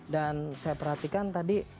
dan saya perhatikan tadi